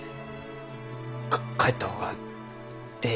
か帰った方がえい。